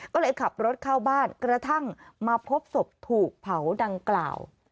ก็เลยขับรถเข้าบ้านกระทั่งมาพบศพถูกเผาดังกล่าว